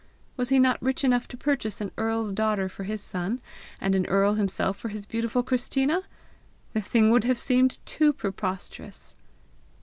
Was he not rich enough to purchase an earl's daughter for his son, and an earl himself for his beautiful Christina! The thing would have seemed too preposterous.